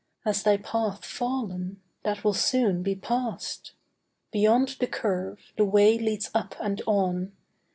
Has thy path fallen? That will soon be past. Beyond the curve the way leads up and on.